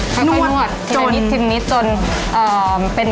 ค่อยนวดทีนี้จน